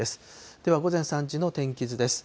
では、午前３時の天気図です。